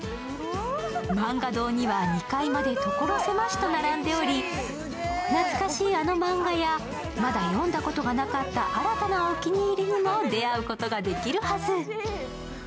漫画堂には２階まで所狭しと並んでおり、懐かしいあの漫画やまだ読んだことがなかった新たなお気に入りにも出会うことができるはず。